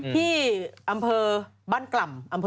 ที่อำเภอบ้านกล่ำ